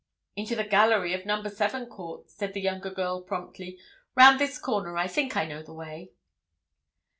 "Into the gallery of number seven court," said the younger girl promptly. "Round this corner—I think I know the way."